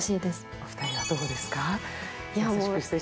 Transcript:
お二人はどうですか？